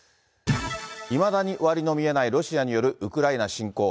いまだに終わりの見えないロシアによるウクライナ侵攻。